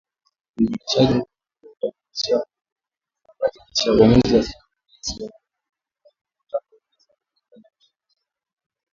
Uidhinishaji huo mpya unabatilisha uamuzi wa Rais wa zamani wa Marekani Donald Trump wa Disemba mwaka elfu mbili ishirini